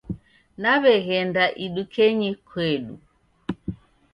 Naw'eghenda idukenyi kedu.